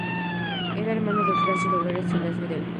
Era hermano de Eufrasio, Dolores y Blas Videla.